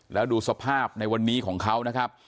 แล้วดูสภาพในวันนี้ของเขานะครับ